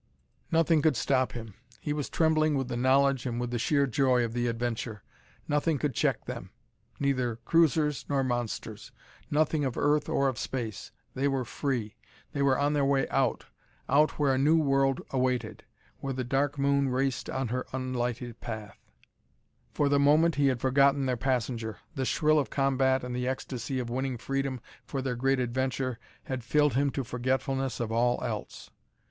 Nothing could stop him! He was trembling with the knowledge, and with the sheer joy of the adventure. Nothing could check them; neither cruisers nor monsters; nothing of earth or of space. They were free; they were on their way out out where a new world awaited where the Dark Moon raced on her unlighted path! For the moment he had forgotten their passenger. The thrill of combat and the ecstasy of winning freedom for their great adventure had filled him to forgetfulness of all else.